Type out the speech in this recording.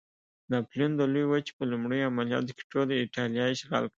ناپلیون د لویې وچې په لومړي عملیاتو کې ټوله اېټالیا اشغال کړه.